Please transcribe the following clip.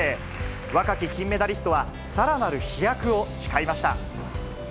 若き金メダリストはさらなる飛躍を誓いました。